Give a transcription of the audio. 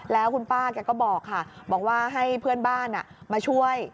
แล้วคุณป้าแกก็บอกค่ะบอกว่าให้เพื่อนบ้านมาช่วย